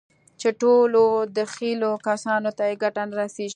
چې ټولو دخيلو کسانو ته يې ګټه نه رسېږي.